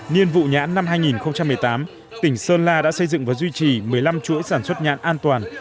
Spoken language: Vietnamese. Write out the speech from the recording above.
nhiên vụ nhãn năm hai nghìn một mươi tám tỉnh sơn la đã xây dựng và duy trì một mươi năm chuỗi sản xuất nhãn an toàn